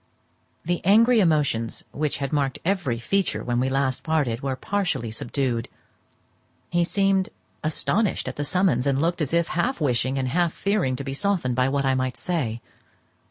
The angry emotions which had marked every feature when we last parted were partially subdued. He seemed astonished at the summons, and looked as if half wishing and half fearing to be softened by what I might say.